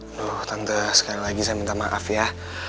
halo tante sekali lagi saya minta maaf ya